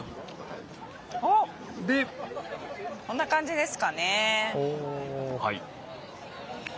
こんな感じですかね。